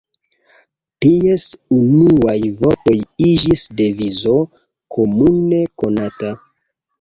Ties unuaj vortoj iĝis devizo komune konata.